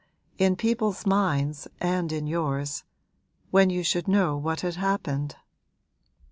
In people's minds and in yours when you should know what had happened.'